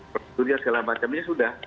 prosedurnya segala macamnya sudah